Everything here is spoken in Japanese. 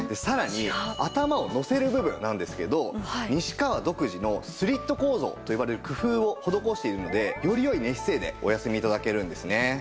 さらに頭をのせる部分なんですけど西川独自のスリット構造と呼ばれる工夫を施しているのでより良い寝姿勢でお休み頂けるんですね。